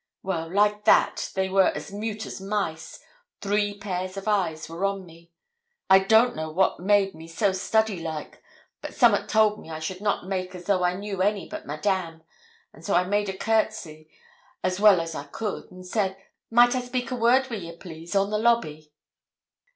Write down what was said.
Well, like that, they were as mute as mice; three pairs of eyes were on me. I don't know what made me so study like, but som'at told me I should not make as though I knew any but Madame; and so I made a courtesy, as well as I could, and I said, "Might I speak a word wi' ye, please, on the lobby?"